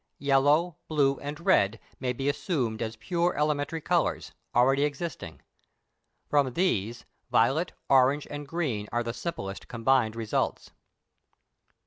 Yellow, blue, and red, may be assumed as pure elementary colours, already existing; from these, violet, orange, and green, are the simplest combined results.